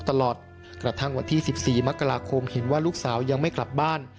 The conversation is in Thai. ตลอดกระทั่งวันที่๑๔มกราคมเห็นว่าลูกสาวยังไม่กลับบ้าน